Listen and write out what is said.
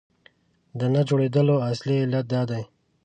د نه جوړېدلو اصلي علت دا دی.